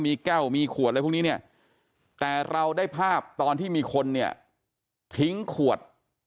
มีแก้วมีขวดอะไรพวกนี้เนี่ยแต่เราได้ภาพตอนที่มีคนเนี่ยทิ้งขวด